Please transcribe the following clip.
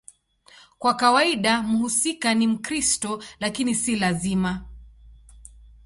Kwa kawaida mhusika ni Mkristo, lakini si lazima.